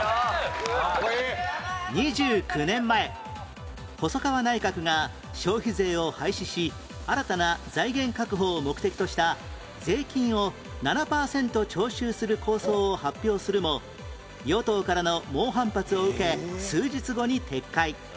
２９年前細川内閣が消費税を廃止し新たな財源確保を目的とした税金を７パーセント徴収する構想を発表するも与党からの猛反発を受け数日後に撤回